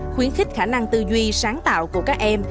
khuyến khích khả năng tư duy sáng tạo của các em